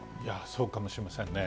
そうかもしれませんね。